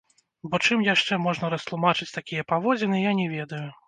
Бо чым яшчэ можна растлумачыць такія паводзіны, я не ведаю.